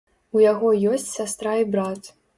У яго ёсць сястра і брат.